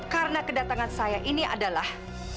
karena kedatangan saya ini adalah